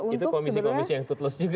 itu komisi komisi yang tootless juga